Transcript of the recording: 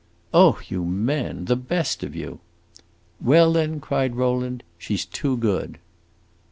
"Oh, you men! The best of you!" "Well, then," cried Rowland, "she 's too good!"